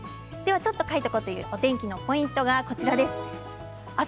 「ちょっと書いとこ！」というお天気のポイントです。